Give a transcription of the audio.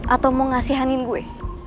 atau mau ngasihanin gue